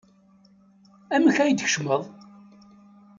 Amek ay d-tkecmeḍ?